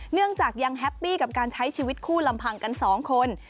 เนื่องจากยังแฮปปี้กับการใช้ชีวิตคู่ลำพังกัน๒คน